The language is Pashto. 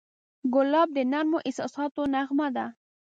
ګلاب د نرمو احساساتو نغمه ده.